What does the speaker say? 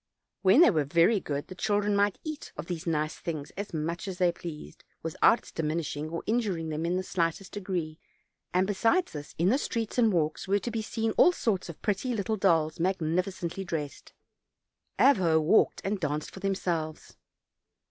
When they were very good the children might eat of these nice things as much as they pleased, without its diminishing or injuring them in the slightest degree, and besides this, in the streets and walks were to be seen all sorts of pretty little dolls, magnificently dressed, Avho walked and danced of them selves.